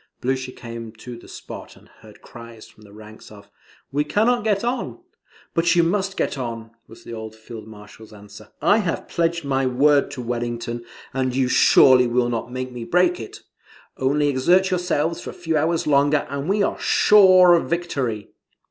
Blucher came to the spot, and heard cries from the ranks of "We cannot get on." "But you must get on," was the old Field Marshal's answer. "I have pledged my word to Wellington, and you surely will not make me break it. Only exert yourselves for a few hours longer, and we are sure of victory."